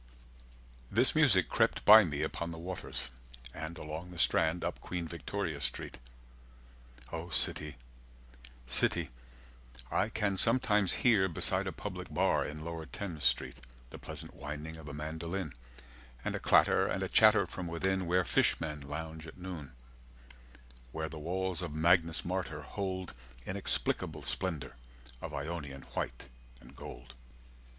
"This music crept by me upon the waters" And along the Strand, up Queen Victoria Street. O City city, I can sometimes hear Beside a public bar in Lower Thames Street, 260 The pleasant whining of a mandoline And a clatter and a chatter from within Where fishmen lounge at noon: where the walls Of Magnus Martyr hold Inexplicable splendour of Ionian white and gold.